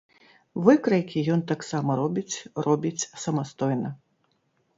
Выкрайкі ён таксама робіць робіць самастойна.